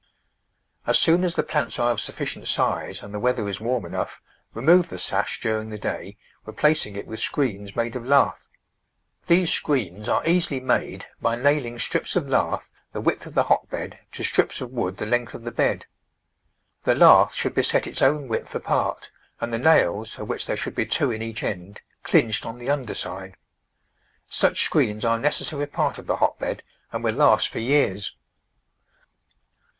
As soon as the plants are of sufficient size and the weather is warm enough, remove the sash during the day, replacing it with screens made of lath. These screens are easily made by nailing strips of lath, the Digitized by Google Four] %\)t Col^frame 37 width of the hotbed, to strips of wood die length of the bed. The lath should be set its own width apart, and the nails, of which there should be two in each end, clinched on the under side. Such screens are a necessary part of the hotbed, and will last for years.